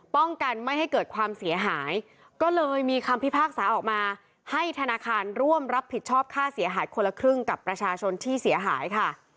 ป้องกันไม่ให้เกิดความเสียหายก็เลยมีคำพิพากษาออกมาให้ธนาคารร่วมรับผิดชอบค่าเสียหายคนละครึ่งกับประชาชนที่เสียหายค่ะ